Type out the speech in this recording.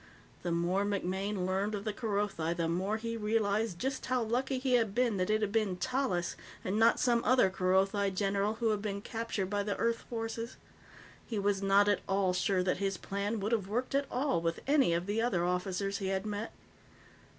The more MacMaine learned of the Kerothi, the more he realized just how lucky he had been that it had been Tallis, and not some other Kerothi general, who had been captured by the Earth forces. He was not at all sure that his plan would have worked at all with any of the other officers he had met.